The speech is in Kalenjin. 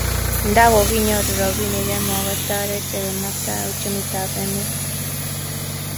nda kokinyoru robinik ki muketoret ke kanabta uchumitab emet